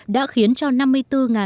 đã khiến cho năm mươi triệu đồng